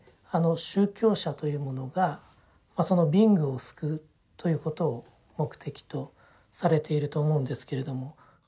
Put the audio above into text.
宗教者というものがその貧苦を救うということを目的とされていると思うんですけれども。